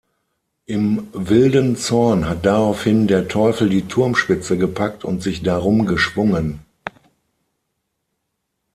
Im wilden Zorn hat daraufhin der Teufel die Turmspitze gepackt und sich darum geschwungen.